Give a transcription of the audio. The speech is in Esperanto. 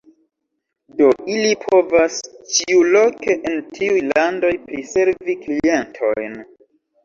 Do, ili povas ĉiuloke en tiuj landoj priservi klientojn.